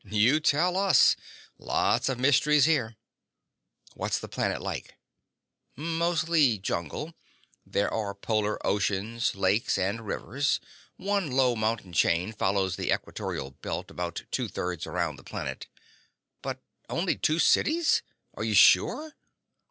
"You tell us. Lots of mysteries here." "What's the planet like?" "Mostly jungle. There are polar oceans, lakes and rivers. One low mountain chain follows the equatorial belt about two thirds around the planet." "But only two cities. Are you sure?"